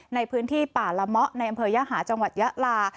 ในพื้นที่ป่าละเมาะในอำเภอยหาจังหวัดยะลา